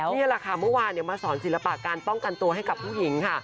นี่แหละค่ะเมื่อวานมาสอนศิลปะการป้องกันตัวให้กับผู้หญิงค่ะ